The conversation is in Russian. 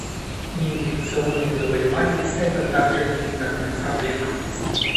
Неинфекционные заболевания — это также гендерная проблема.